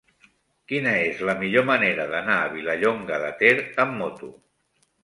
Quina és la millor manera d'anar a Vilallonga de Ter amb moto?